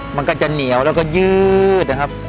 มันก็จะเหนียวแล้วก็ยืดนะครับ